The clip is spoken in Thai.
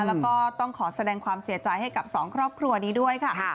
แล้วก็ต้องขอแสดงความเสียใจให้กับสองครอบครัวนี้ด้วยค่ะ